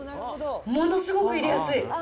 ものすごく入れやすい。